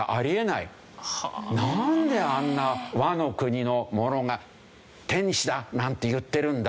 なんであんな倭の国の者が天子だなんて言ってるんだ。